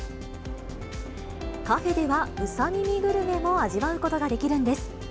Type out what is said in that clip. カフェではうさみみグルメも味わうことができるんです。